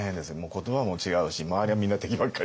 言葉も違うし周りはみんな敵ばっかりだし。